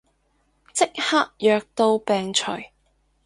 即刻藥到病除